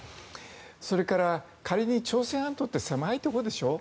それから、仮に朝鮮半島って狭いところでしょう。